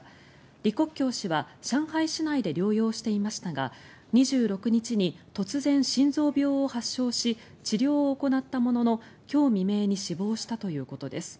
李克強氏は上海市内で療養していましたが２６日に突然、心臓病を発症し治療を行ったものの今日未明に死亡したということです。